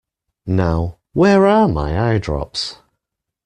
Now, where are my eyedrops?